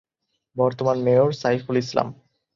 বর্তমান মেয়রঃ সাইফুল ইসলাম